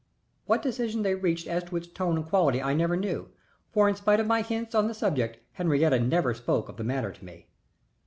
What decision they reached as to its tone and quality I never knew, for in spite of my hints on the subject, Henriette never spoke of the matter to me.